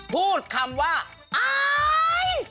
พูดคำว่าไอ